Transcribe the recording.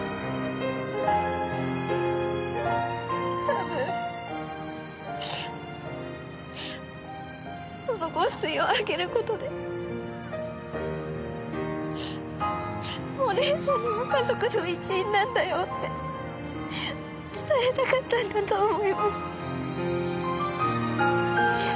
多分この香水をあげる事でお姉さんにも家族の一員なんだよって伝えたかったんだと思います。